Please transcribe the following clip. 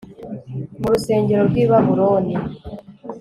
mu rusengero rw i Babuloni